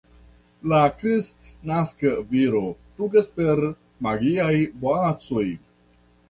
La kristnaska viro flugas per magiaj boacoj.